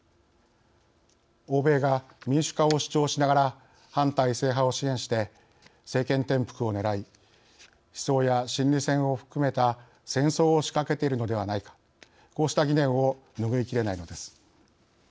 欧米が民主化を主張しながら反体制派を支援して政権転覆を狙い思想や心理戦を含めた戦争を仕掛けているのではないかこうした疑念を拭いきれないのです。